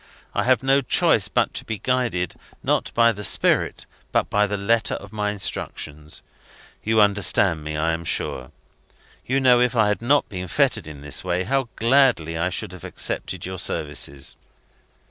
I have no choice but to be guided, not by the spirit, but by the letter of my instructions. You understand me, I am sure? You know, if I had not been fettered in this way, how gladly I should have accepted your services?"